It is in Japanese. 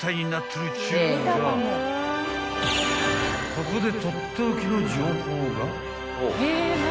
［ここで］